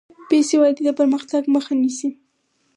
بېسوادي د پرمختګ مخه نیسي.